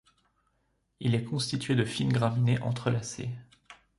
Il est constitué de fines graminées entrelacées.